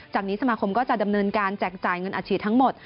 นี้สมาคมก็จะดำเนินการแจกจ่ายเงินอาชีพทั้งหมด